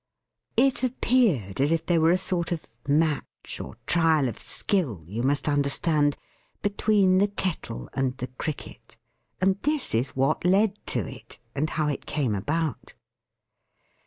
It appeared as if there were a sort of match, or trial of skill, you must understand, between the Kettle and the Cricket. And this is what led to it, and how it came about.